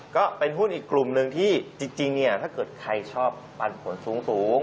ก็เป็นหุ้นอีกกลุ่มหนึ่งที่จริงเนี่ยถ้าเกิดใครชอบปันผลสูง